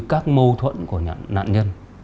các mâu thuẫn của nạn nhân